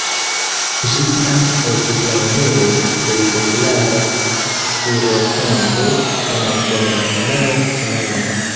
Ĝi tiam estis la unue plej populara furorkanto en Usono dum naŭ semajnoj.